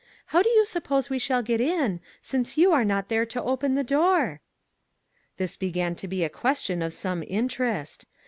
How do you suppose we shall get in, since you are not there to open the door ?" This began to be a question of some interest.